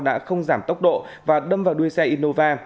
đã không giảm tốc độ và đâm vào đuôi xe innova